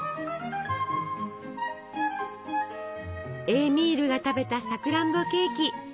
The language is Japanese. エーミールが食べたさくらんぼケーキ。